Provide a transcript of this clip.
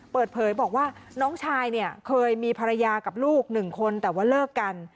เปิดเผยบอกว่าน้องชายเนี่ยเคยมีภรรยากับลูกหนึ่งคนแต่ว่าเลิกกัน